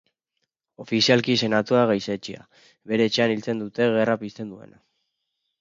Ofizialki senatuak gaitzetsia, bere etxean hiltzen dute, gerra pizten duena.